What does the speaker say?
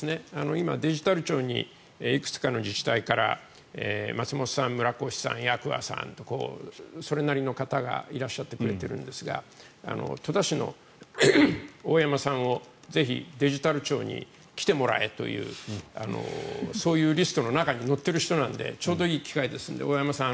今、デジタル庁にいくつかの自治体からマツモトさん、ムラコシさんなどそれなりの方がいらっしゃってくれていますが戸田市の大山さんをぜひ、デジタル庁に来てもらえというそういうリストの中に載っている人なのでちょうどいい機会ですので大山さん